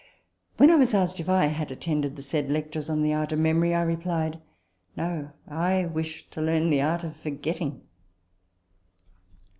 When I was asked if I had attended the said lectures on 22 RECOLLECTIONS OF THE the Art of Memory, I replied, " No : I wished to learn the Art of Forgetting."